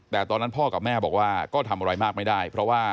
แต่ตอนนั้นพ่อกับแม่บอกว่าก็ทำอะไรมากไม่ได้เพราะว่า